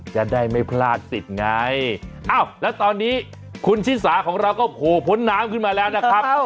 จะได้ไม่พลาดติดไงอ้าวแล้วตอนนี้คุณชิสาของเราก็โผล่พ้นน้ำขึ้นมาแล้วนะครับ